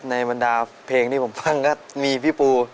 ในวันดาวน์เพลงที่ผมฟังก็มีพี่ปู